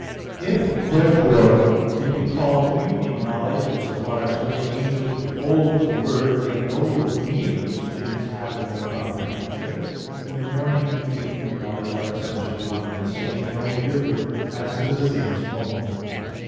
It, therefore, it be called evening knowledge, in so far as when the angels behold the Word, they know the being which things have in their proper nature, then the morning and the evening knowledge are essentially one and the same, and only differ as to the things known.